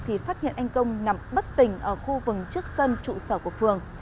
thì phát hiện anh công nằm bất tỉnh ở khu vừng trước sân trụ sở của phường